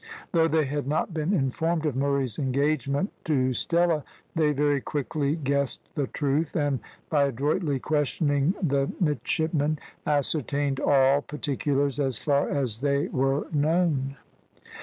Though they had not been informed of Murray's engagement to Stella, they very quickly guessed the truth, and by adroitly questioning the midshipman, ascertained all particulars as far as they were known.